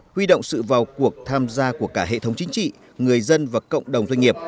huy động sự vào cuộc tham gia của cả hệ thống chính trị người dân và cộng đồng doanh nghiệp